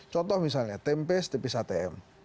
contoh misalnya tempes tepis atm